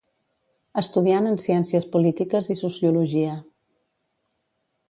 Estudiant en Ciències Polítiques i Sociologia.